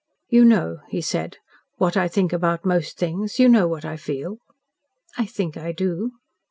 "You know," he said, "what I think about most things you know what I feel." "I think I do."